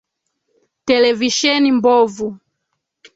televisheni mbovu.